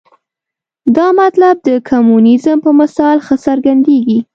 دا مطلب د کمونیزم په مثال ښه څرګندېږي.